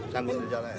sangkut di jalan ya